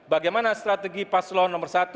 bagaimana strategi paslon satu